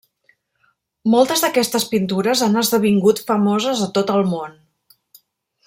Moltes d'aquestes pintures han esdevingut famoses a tot el món.